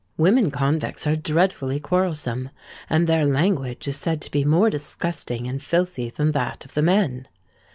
Women convicts are dreadfully quarrelsome; and their language is said to be more disgusting and filthy than that of the men.